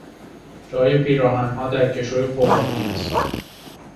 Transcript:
جای پیراهنها در کشوی فوقانی است.